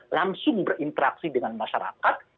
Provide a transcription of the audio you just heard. langsung berinteraksi dengan masyarakat